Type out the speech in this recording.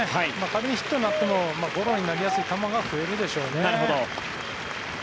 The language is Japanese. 仮にヒットになってもゴロになりやすい球が増えるでしょうね。